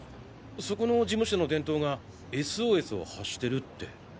そこの事務所の電灯がＳＯＳを発してるって。